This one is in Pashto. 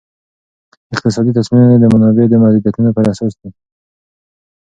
اقتصادي تصمیمونه د منابعو د محدودیتونو پر اساس دي.